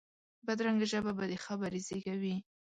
بدرنګه ژبه بدې خبرې زېږوي